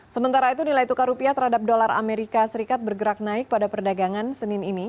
sementara itu nilai tukar rupiah terhadap dolar amerika serikat bergerak naik pada perdagangan senin ini